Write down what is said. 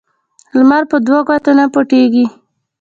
لمر په دوو ګوتو نه پوټیږی.